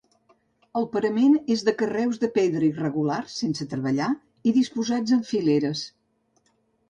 El parament és de carreus de pedra irregulars, sense treballar i disposats en fileres.